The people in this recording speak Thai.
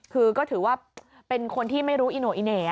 คือก็ถือว่าเป็นคนที่ไม่รู้อิโนอิเน่